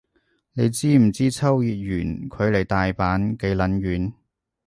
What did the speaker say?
你知唔知秋葉原距離大阪幾撚遠